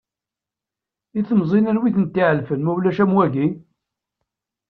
I temẓin, anwa ad ten-t-iɛelfen ma ulac am wagi?